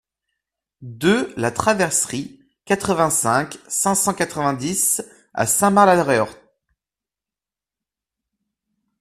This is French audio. deux la Traverserie, quatre-vingt-cinq, cinq cent quatre-vingt-dix à Saint-Mars-la-Réorthe